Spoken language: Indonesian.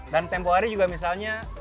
dan tempoh hari juga misalnya